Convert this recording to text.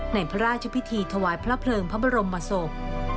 ในพระราชพิธีถวายพระเพลิงพระบรมศพ